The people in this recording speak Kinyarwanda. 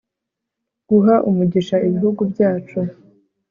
guha umugisha ibihugu byacu